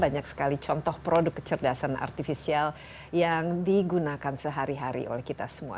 banyak sekali contoh produk kecerdasan artifisial yang digunakan sehari hari oleh kita semua